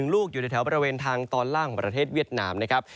ลูกอยู่ในแถวบริเวณทางตอนล่างของประเทศเวียดนามนะครับ